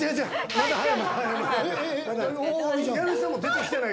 まだ早い！